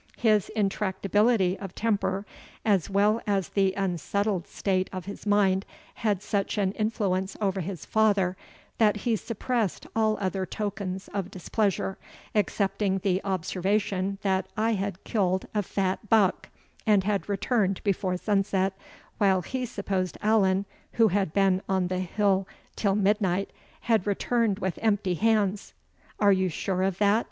His intractability of temper, as well as the unsettled state of his mind, had such an influence over his father, that he suppressed all other tokens of displeasure, excepting the observation that I had killed a fat buck, and had returned before sunset, while he supposed Allan, who had been on the hill till midnight, had returned with empty hands. 'Are you sure of that?